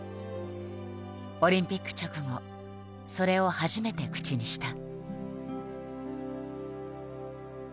オリンピック直後それを初めて口にした。